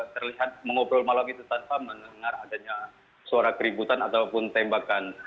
terlihat mengobrol malam itu tanpa mendengar adanya suara keributan ataupun tembakan